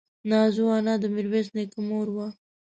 نازو انا د ميرويس نيکه مور وه.